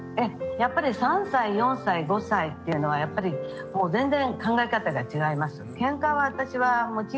やっぱり３歳４歳５歳っていうのはやっぱりもう全然考え方が違います。